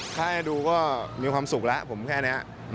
ใครให้ดูก็มีความสุขแบบละผมแค่นี้